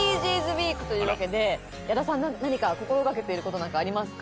ウィークというわけで矢田さん何か心掛けていることなんかありますか？